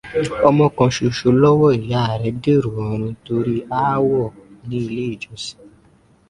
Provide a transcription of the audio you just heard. Ọmọ kan ṣoṣo lọ́wọ́ ìyá rẹ̀ dèrò ọrun torí ááwọ̀ ní ilé- ìjọsìn.